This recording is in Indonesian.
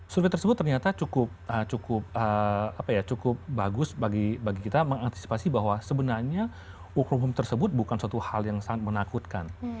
survei tersebut ternyata cukup cukup apa ya cukup bagus bagi kita mengantisipasi bahwa sebenarnya umum umum tersebut bukan suatu hal yang sangat menakutkan